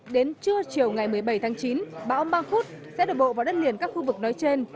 đến trưa chiều ngày một mươi bảy tháng chín bão mang khúc sẽ đổ bộ vào đất liền các khu vực nói trên